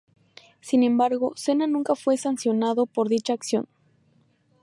Sin embargo, Senna nunca fue sancionado por dicha acción.